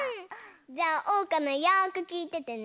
じゃあおうかのよくきいててね。